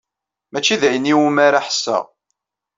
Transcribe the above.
Mačči d ayen iwumi ara ḥesseɣ.